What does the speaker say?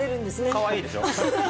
かわいいでしょ？